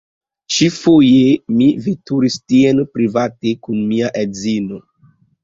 Ĉifoje, mi veturis tien private kun mia edzino.